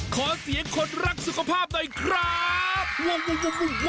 ขอเสียงคนรักสุขภาพหน่อยครับ